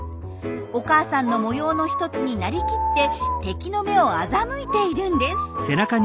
お母さんの模様の１つになりきって敵の目を欺いているんです。